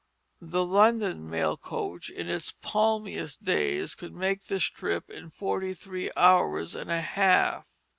The London mail coach in its palmiest days could make this trip in forty three hours and a half.